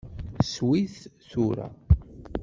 Sew-it tura!